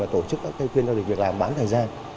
và tổ chức các cái khuyên giao dịch việc làm bán thời gian